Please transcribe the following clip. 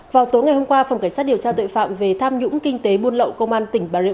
vào tối ngày hôm qua phòng cảnh sát điều tra tội phạm về tham nhũng kinh tế buôn lậu công an tỉnh bà rịa